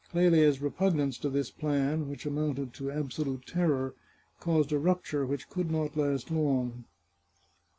Clelia's repugnance to this plan, which amounted to absolute terror, caused a rupture which could not last long.